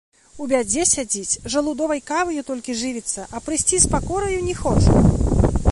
У бядзе сядзіць, жалудовай каваю толькі жывіцца, а прыйсці з пакораю не хоча.